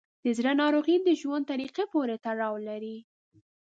د زړه ناروغۍ د ژوند طریقه پورې تړاو لري.